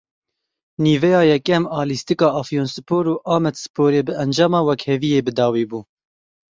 Nîveya yekem a lîstika Afyonspor û Amedsporê bi encama wekheviyê bidawî bû.